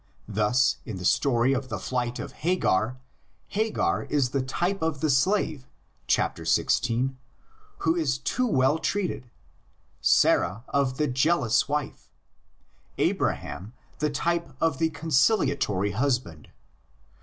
Thus in the story of the flight of Hagar, Hagar is the type of the slave (xvi.) who is too well treated, Sarah of the jealous wife, Abraham the type of the conciliatory husband.